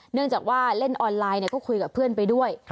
เนื่องจากว่าเล่นออนไลน์ก็คุยกับเพื่อนไปด้วย